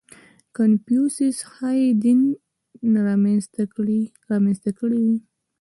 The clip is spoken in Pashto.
• کنفوسیوس ښایي دین را منځته کړی وي.